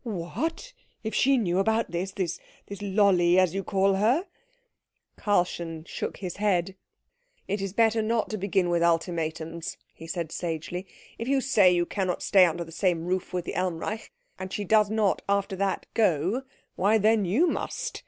"What! if she knew about this this Lolli, as you call her?" Karlchen shook his head. "It is better not to begin with ultimatums," he said sagely. "If you say you cannot stay under the same roof with the Elmreich, and she does not after that go, why then you must.